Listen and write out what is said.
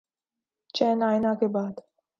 چین آئے نہ کے بعد